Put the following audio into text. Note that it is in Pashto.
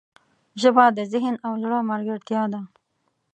ژبه د ذهن او زړه ملګرتیا ده